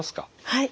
はい。